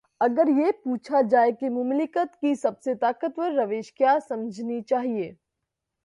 اگر یہ پوچھا جائے کہ مملکت کی سب سے طاقتور روش کیا سمجھنی چاہیے۔